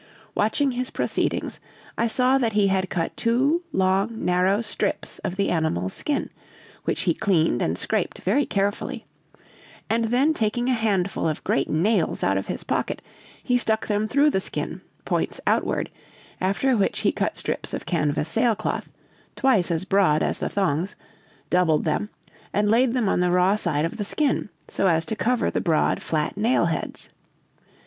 Watching his proceedings, I saw that he had cut two long, narrow strips of the animal's skin, which he cleaned and scraped very carefully, and then taking a handful of great nails out of his pocket, he stuck them through the skin, points outward, after which he cut strips of canvas sailcloth, twice as broad as the thongs, doubled them, and laid them on the raw side of the skin, so as to cover the broad, flat nail heads.